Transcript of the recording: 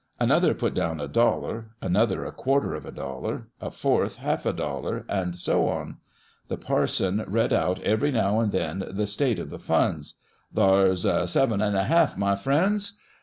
Another put down a dollar, another a quarter of a dollar, a fourth ialf a dollar, and so on. The parson read out ivery now and then the state of the funds :" Thar's seven and a half, my friends."